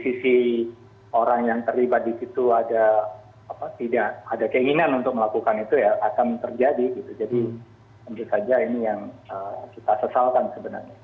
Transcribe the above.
jadi tentu saja ini yang kita sesalkan sebenarnya